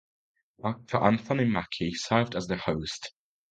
Actor Anthony Mackie served as the host.